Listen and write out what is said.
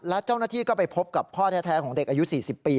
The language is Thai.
และเจ้าหน้าที่ก็ไปพบกับพ่อแท้ของเด็กอายุ๔๐ปี